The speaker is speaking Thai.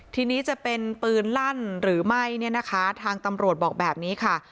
ทีนี้จะเป็นปืนลั่นหรือไม่เนี่ยนะคะทางตำรวจบอกแบบนี้ค่ะ